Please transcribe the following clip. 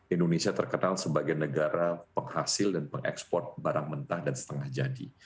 indonesia terkenal sebagai negara penghasil dan pengekspor barang mentah dan setengah jadi